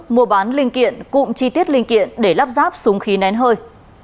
mua bán linh kiện cụm chi tiết linh kiện để lắp ráp súng khí nén hơi